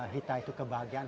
hita itu kebahagiaan